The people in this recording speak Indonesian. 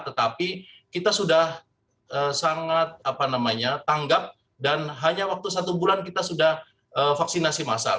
tetapi kita sudah sangat tanggap dan hanya waktu satu bulan kita sudah vaksinasi masal